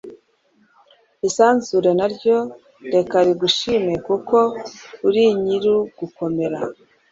isanzure naryo reka rigushime kuko urinyirugukomera